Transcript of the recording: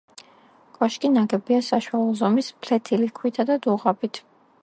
კოშკი ნაგებია საშუალო ზომის ფლეთილი ქვითა და დუღაბით.